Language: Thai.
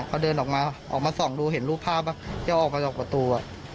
เขาเดินออกมาออกมาส่องดูเห็นรูปภาพว่าจะออกมาจากประตู